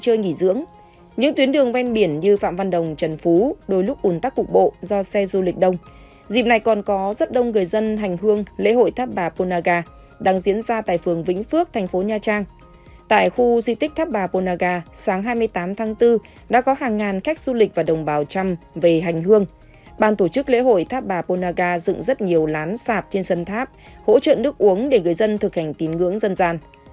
hỗ trợ nước uống để gửi dân thực hành tín ngưỡng dân gian